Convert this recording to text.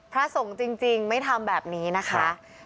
พระสงฆ์จริงไม่ทำแบบนี้นะคะ